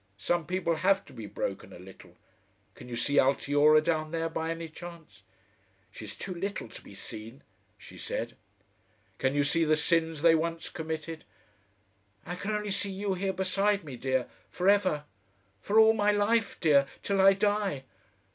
Some people HAVE to be broken a little. Can you see Altiora down there, by any chance?" "She's too little to be seen," she said. "Can you see the sins they once committed?" "I can only see you here beside me, dear for ever. For all my life, dear, till I die.